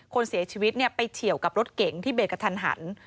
คนเสียชีวิตไปเฉียวกับรถเก๋งที่เบรกกระทันหัน